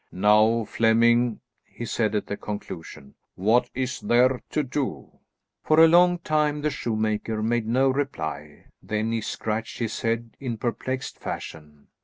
"Now, Flemming," he said, at the conclusion, "what is there to do?" For a long time the shoemaker made no reply; then he scratched his head in perplexed fashion.